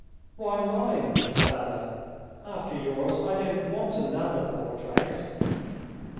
"Why mine?" said Anna. "After yours I don't want another portrait.